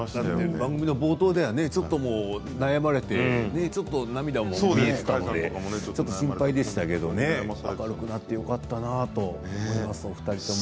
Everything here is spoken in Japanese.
番組の冒頭では悩まれてちょっと涙も見えたので心配でしたけど明るくなってよかったなと思います、２人とも。